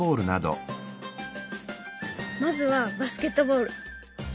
まずはバスケットボール。